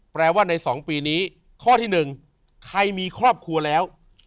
แปลว่าใน๒ปีนี้ข้อที่๑ใครมีครอบครัวแล้ว